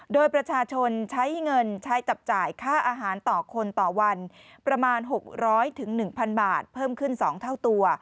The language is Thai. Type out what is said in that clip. โดยประชาชนใช้เงินใช้จับจ่ายค่าอาหารต่อคนต่อวันประมาณ๖๐๐๑๐๐บาทเพิ่มขึ้น๒เท่าตัว